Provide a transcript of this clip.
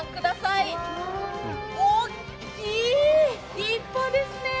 立派ですね。